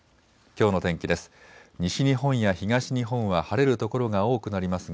きょうの天気です。